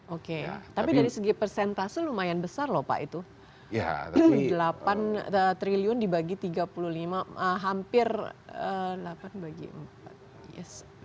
oke tapi dari segi persentase lumayan besar loh pak itu delapan triliun dibagi tiga puluh lima hampir delapan yes